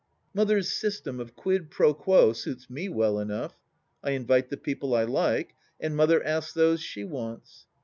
Mother's system of quid pro quo suits me well enough. I invite the people I like, and Mother asks those she wants.